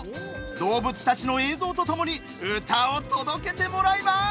動物たちの映像とともに歌を届けてもらいます！